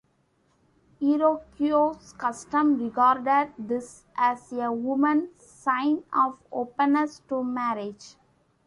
Iroquois custom regarded this as a woman's sign of openness to marriage.